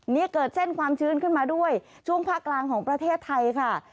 นี่เกิดเส้นความชื้นขึ้นมาด้วยช่วงภาคกลางของประเทศไทยค่ะ